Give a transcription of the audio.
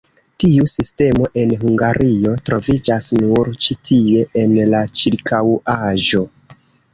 Tiu sistemo en Hungario troviĝas nur ĉi tie en la ĉirkaŭaĵo.